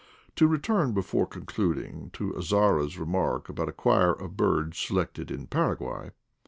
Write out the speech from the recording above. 1 ' To return, before concluding, to Azara's remark about a choir of birds selected in Paraguay.